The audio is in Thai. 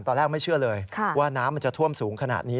ตอนแรกไม่เชื่อเลยว่าน้ำมันจะท่วมสูงขนาดนี้